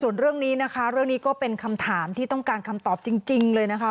ส่วนเรื่องนี้นะคะเรื่องนี้ก็เป็นคำถามที่ต้องการคำตอบจริงเลยนะคะ